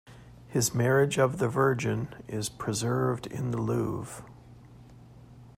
His "Marriage of the Virgin" is preserved in the Louvre.